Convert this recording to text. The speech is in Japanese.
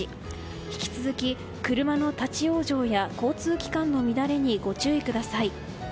引き続き車の立ち往生や交通機関の乱れにご注意ください。